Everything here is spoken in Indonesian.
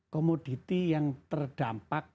komoditi yang terdampak